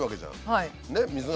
はい。